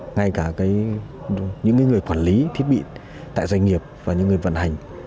ngay cả những người quản lý thiết bị tại doanh nghiệp và những người vận hành